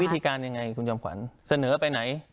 วิธีการยังไงคุณจำขวัญเสนอไปไหน